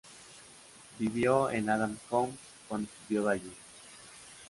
Vivió en Adams House cuando estudiaba allí.